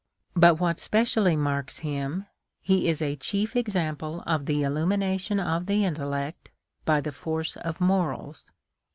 But what specially marks him, he is a chief example of the illumination of the intellect by the force of morals.